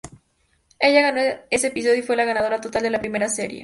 Ella ganó ese episodio y fue la ganadora total de la primera serie.